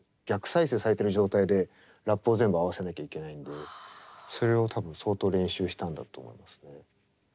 逆再生されてる状態でラップを全部合わせなきゃいけないんでそれを多分相当練習したんだと思いますね。